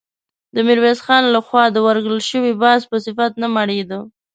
د ميرويس خان له خوا د ورکړل شوي باز په صفت نه مړېده.